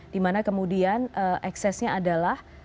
di mana kemudian eksesnya adalah